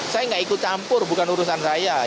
saya nggak ikut campur bukan urusan saya